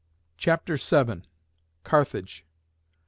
CHAPTER VII. CARTHAGE.